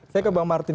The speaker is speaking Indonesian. saya ke bang martin